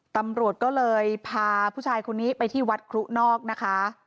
ตำรวจก็เลยพาผู้ชายคนนี้ไปที่วัดครุนอกนะคะ